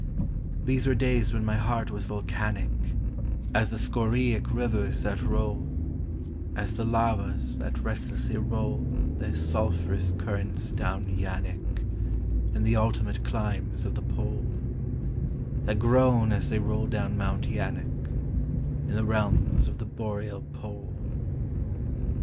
These were days when my heart was volcanic As the scoriae rivers that roll, As the lavas that restlessly roll Their sulphurous currents down Yaanek In the ultimate climes of the pole, That groan as they roll down Mount Yaanek In the realms of the boreal pole.